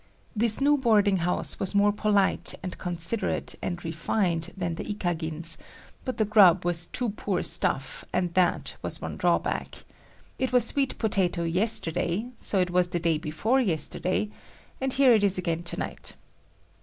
This new boarding house was more polite and considerate and refined than the Ikagins, but the grub was too poor stuff and that was one drawback. It was sweet potato yesterday, so it was the day before yesterday, and here it is again to night.